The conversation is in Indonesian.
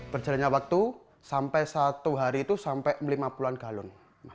berjalannya waktu sampai satu hari itu sampai lima puluh an galon